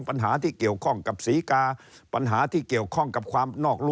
ปัญหาที่เกี่ยวข้องกับศรีกา